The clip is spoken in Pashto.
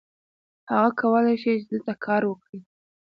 هغه کولی شي چې دلته کار وکړي.